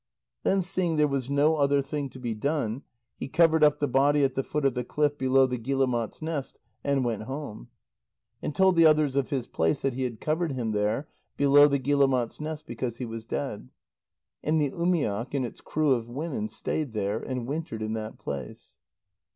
Then seeing there was no other thing to be done, he covered up the body at the foot of the cliff below the guillemot's nest, and went home. And told the others of his place that he had covered him there below the guillemot's nest because he was dead. And the umiak and its crew of women stayed there, and wintered in that place.